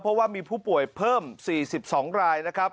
เพราะว่ามีผู้ป่วยเพิ่ม๔๒รายนะครับ